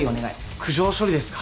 苦情処理ですか？